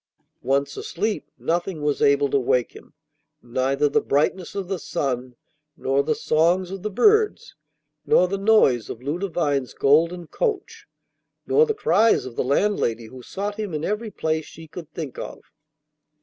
Once asleep, nothing was able to wake him; neither the brightness of the sun, nor the songs of the birds, nor the noise of Ludovine's golden coach, nor the cries of the landlady who sought him in every place she could think of.